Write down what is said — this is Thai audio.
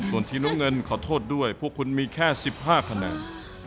ส่วนทีมน้ำเงินขอโทษด้วยพวกคุณมีแค่๑๕คะแนน